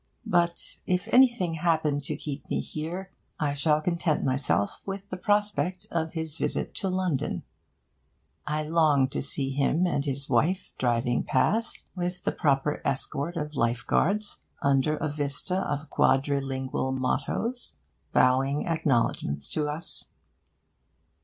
But, if anything happen to keep me here, I shall content myself with the prospect of his visit to London. I long to see him and his wife driving past, with the proper escort of Life Guards, under a vista of quadrilingual mottoes, bowing acknowledgments to us.